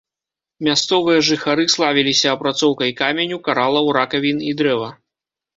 Мясцовыя жыхары славіліся апрацоўкай каменю, каралаў, ракавін і дрэва.